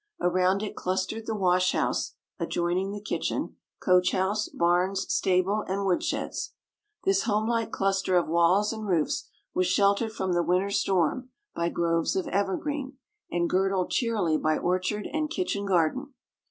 Around it clustered the wash house (adjoining the kitchen), coach house, barns, stable, and woodsheds. This homelike cluster of walls and roofs was sheltered from the winter storm by groves of evergreen, and girdled cheerily by orchard and kitchen garden.